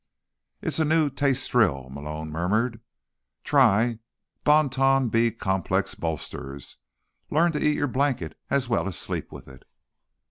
"It's a new taste thrill," Malone murmured. "Try Bon Ton B Complex Bolsters. Learn to eat your blanket as well as sleep with it."